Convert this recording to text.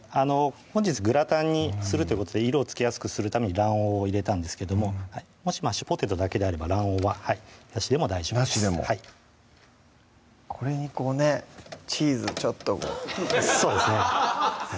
本日グラタンにするということで色をつけやすくするために卵黄を入れたんですけどももしマッシュポテトだけであれば卵黄はなしでも大丈夫ですなしでもはいこれにこうねチーズちょっとそうですね